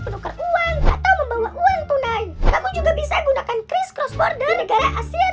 penukar uang atau membawa uang tunai kamu juga bisa gunakan christ cross border negara asean